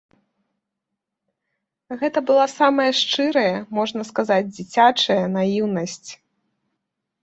Гэта была самая шчырая, можна сказаць, дзіцячая наіўнасць.